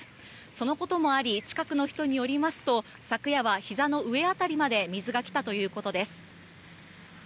そのこともあり近くの人によりますと昨夜は膝の上あたりまで水が来たということです。